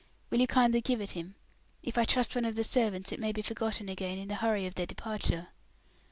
Will you kindly give it him? If I trust one of the servants it may be forgotten again in the hurry of their departure."